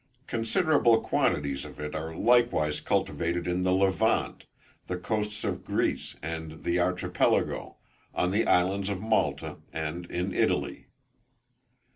Considerable quantities of it are likewise cultivated in the Levant, the coasts of Greece and the Archipelago, in the island of Malta and in Italy.